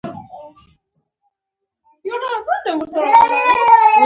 خاما وویل که دا ځمکه ځان ته شخصي واخلي اعتراض نه لرو.